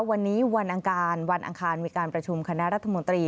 วันนี้วันอังคารวันอังคารมีการประชุมคณะรัฐมนตรี